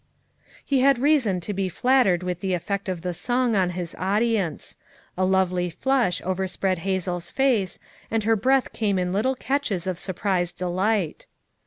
" He had reason to be flattered with the effect of the song on his audience. A lovely flush overspread Hazel's face, and her breath came in little catches of surprised delight.